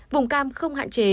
vùng cam không hạn chế